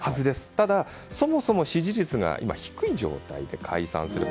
ただ、そもそも支持率が低い状態で解散すれば